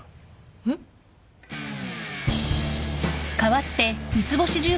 えっ？